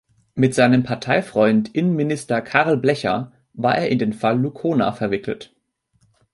Mit seinem Parteifreund Innenminister Karl Blecha war er in den Fall Lucona verwickelt.